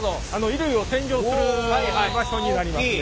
衣類を洗浄する場所になりますね。